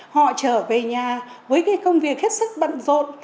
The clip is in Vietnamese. họ trở về nhà với cái công việc hết sức bận rộn